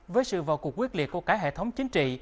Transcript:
với sự vào cuộc quyết liệt của cả hệ thống chính trị